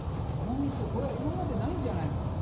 これは今までないんじゃないの？